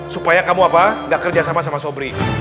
supaya kamu apa gak kerjasama sama sobri